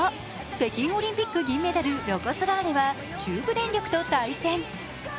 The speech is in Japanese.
北京オリンピック、銀メダルロコ・ソラーレは中部電力と対戦。